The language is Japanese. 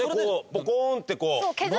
ボコンってこう。